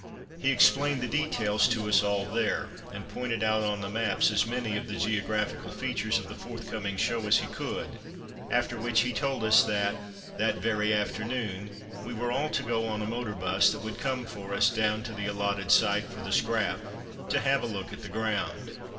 He explained the details to us all there, and pointed out on the maps as many of the geographical features of the forthcoming "show" as he could, after which he told us that, that very afternoon, we were all to go on a motor bus, that would come for us, down to the allotted site for the "scrap," to have a look at the ground.